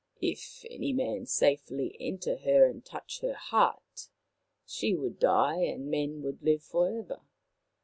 If any man safely enter her and touch her heart, she would die and men would live for ever.